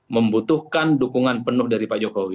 membutuhkan dukungan penuh dari pak jokowi